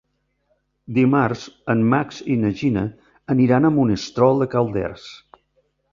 Dimarts en Max i na Gina aniran a Monistrol de Calders.